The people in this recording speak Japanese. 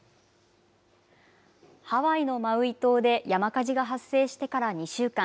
ハワイのマウイ島で山火事が発生してから２週間。